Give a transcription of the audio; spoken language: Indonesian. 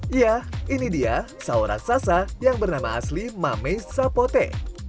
iya ini dia sawo raksasa yang bernama asli mame sapote